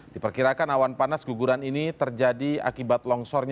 diperkirakan awan panas guguran ini terjadi akibat longsornya